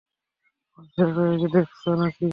আমার সেক্রেটারিকে দেখেছ নাকি?